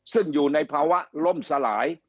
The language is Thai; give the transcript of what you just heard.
ซึ่งอยู่ในภาวะล่มสลาย